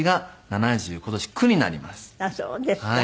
あっそうですか。